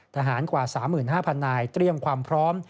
ทหารกว่า๓๕๐๐นายเตรียมความพร้อม